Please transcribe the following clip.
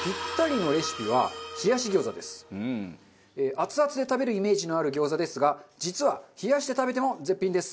アツアツで食べるイメージのある餃子ですが実は冷やして食べても絶品です。